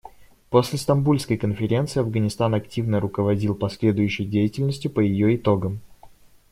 После Стамбульской конференции Афганистан активно руководил последующей деятельностью по ее итогам.